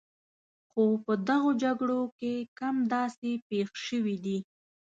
خو په دغو جګړو کې کم داسې پېښ شوي دي.